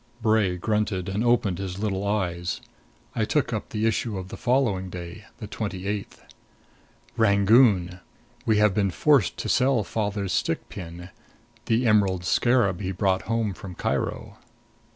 Bray grunted, and opened his little eyes. I took up the issue of the following day the twenty eighth: "RANGOON: We have been forced to sell father's stick pin the emerald scarab he brought home from Cairo."